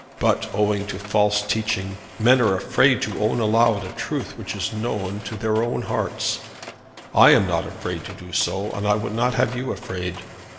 But, owing to false teaching, men are afraid to own aloud a truth which is known to their own hearts. I am not afraid to do so and I would not have you afraid.